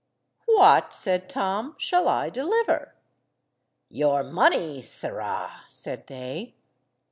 "What," said Tom, "shall I deliver?" "Your money, sirrah," said they.